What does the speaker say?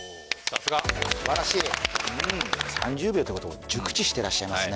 すばらしい３０秒ということを熟知していらっしゃいますね